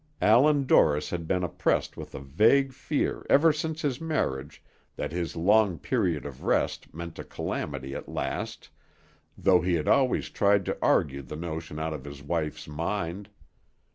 Allan Dorris had been oppressed with a vague fear ever since his marriage that his long period of rest meant a calamity at last, though he had always tried to argue the notion out of his wife's mind.